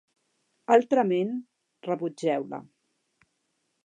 Altrament, rebutgeu-la.